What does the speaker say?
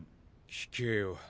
聞けよ。